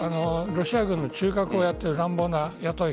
ロシア軍の中核をやっている乱暴なやつ。